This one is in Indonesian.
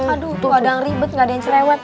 aduh kadang ribet nggak ada yang cerewet